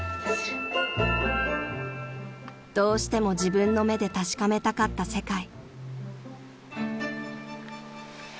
［どうしても自分の目で確かめたかった世界］